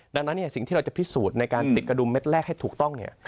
ดังนั้นสิ่งที่เราจะพิสูจน์ในการติดกระดุมเม็ดแรกให้ถูกต้อง